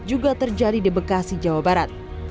juga terjadi di bekasi jawa barat